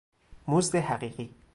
مزد حقیقی